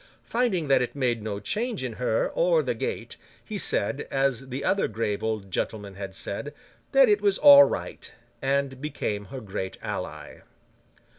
Finding that it made no change in her or the gate, he said, as the other grave old gentlemen had said, that it was all right, and became her great ally.